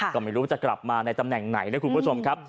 ก็ไม่รู้ว่าจะกลับมาในตำแหน่งไหนนะคุณผู้ชมครับ